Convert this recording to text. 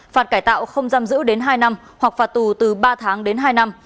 phạt cải tạo không giam giữ đến hai năm hoặc phạt tù từ ba tháng đến hai năm